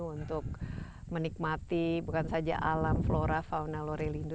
untuk menikmati bukan saja alam flora fauna lorelindo